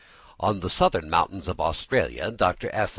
On the southern mountains of Australia, Dr. F.